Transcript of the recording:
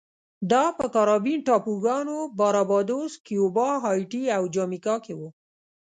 دا په کارابین ټاپوګانو باربادوس، کیوبا، هایټي او جامیکا کې و